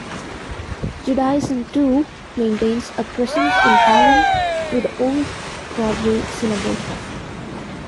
Judaism, too, maintains a presence in Harlem through the Old Broadway Synagogue.